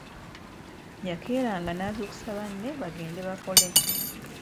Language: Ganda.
Yakeeranga n'azuukusa banne bagende bakole.